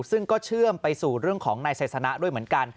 ซึ่งก็เชื่อมไปสู่เรื่องของนายไซสนะด้วยเหมือนกัน